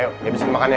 ayo ya besit makan ya